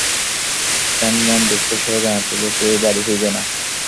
Sandman, দুঃখের সাথে জানাচ্ছি যে, কেউই বাড়ি ফিরবে না।